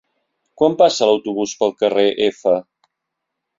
Quan passa l'autobús pel carrer F?